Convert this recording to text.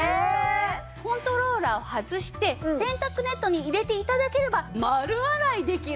コントローラーを外して洗濯ネットに入れて頂ければ丸洗いできる！